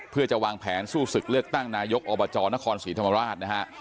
เพื่อจะวางแผนสู้ศึกเลือกตั้งนายกอบจนครศรีธรรมราชนะฮะ